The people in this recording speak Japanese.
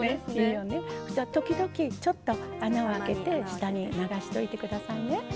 時々ちょっと穴を開けて下に流しといて下さいね。